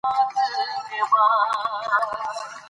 ازادي راډیو د سیاست په اړه د ننګونو یادونه کړې.